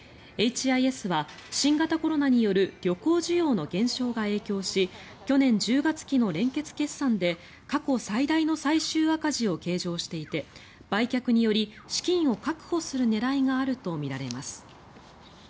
Ｈ．Ｉ．Ｓ．は新型コロナによる旅行需要の減少が影響し去年１０月期の連結決算で過去最大の最終赤字を計上していて売却により資金を確保する狙いがあるとみられます。